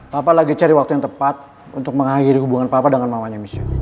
papa lagi cari waktu yang tepat untuk mengakhiri hubungan papa dengan mamanya michio